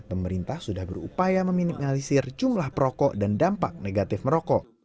pemerintah sudah berupaya meminimalisir jumlah perokok dan dampak negatif merokok